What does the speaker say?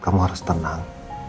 kamu harus tenang